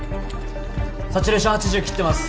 サチュレーション８０切ってます。